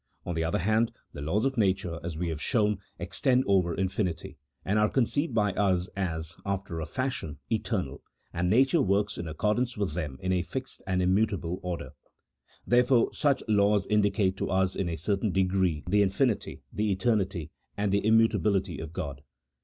On the other hand, the laws of nature, as we have shown, extend over infinity, and are conceived by us as, after a fashion, eternal, and nature works in accordance with them in a fixed and immutable order ; therefore, such laws indicate to us in a certain degree the infinity, the eternity, and the immutability of God.